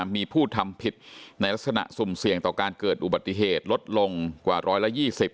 มีผู้ทำผิดในลักษณะสุ่มเสี่ยงต่อการเกิดอุบัติเหตุลดลงกว่า๑๒๐